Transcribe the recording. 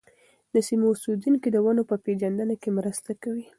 د سیمو اوسېدونکي د ونو په پېژندنه کې مرسته کوي.